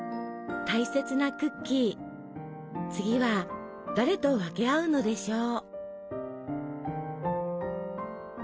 大切なクッキー次は誰と分け合うのでしょう。